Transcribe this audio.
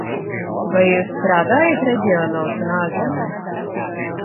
Vai jūs strādājat reģionos un ārzemēs?